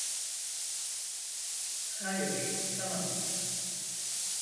Hayır, kalamam.